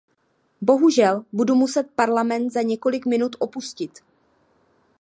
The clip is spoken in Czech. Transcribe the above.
Bohužel budu muset Parlament za několik minut opustit.